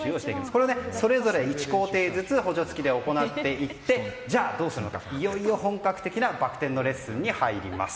これで、それぞれ１工程ずつ補助付きで行っていっていよいよ本格的なバク転のレッスンに入ります。